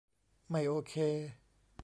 ไม่โอเค.